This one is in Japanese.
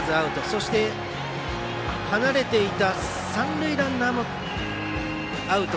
そして離れていた三塁ランナーもアウト。